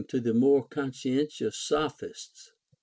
4T9 to the more contentious Sophists.